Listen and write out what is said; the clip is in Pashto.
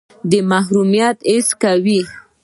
د محرومیت احساس کوئ.